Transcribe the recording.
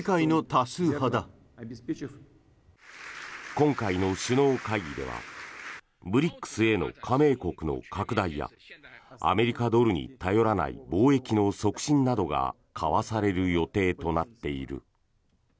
今回の首脳会議ではＢＲＩＣＳへの加盟国の拡大やアメリカドルに頼らない貿易の促進などが交わされる予定となっている。